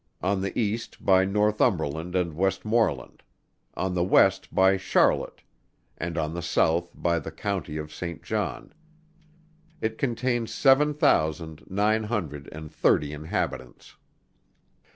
On the East by Northumberland and Westmorland. On the West by Charlotte, and on the South by the County of Saint John. It contains seven thousand nine hundred and thirty inhabitants.